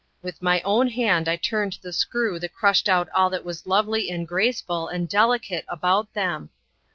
With my own hand I turned the screw that crushed out all that was lovely and graceful and delicate about them.